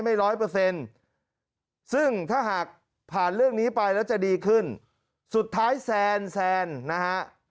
ร้อยเปอร์เซ็นต์ซึ่งถ้าหากผ่านเรื่องนี้ไปแล้วจะดีขึ้นสุดท้ายแซนแซนนะฮะ